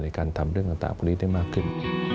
ในการทำเรื่องต่างพวกนี้ได้มากขึ้น